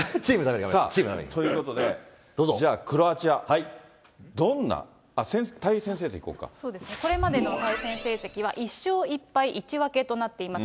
さあ、ということで、じゃあクロアチア、どんな、対戦成績いそうですね、これまでの対戦成績は１勝１敗１分けとなっています。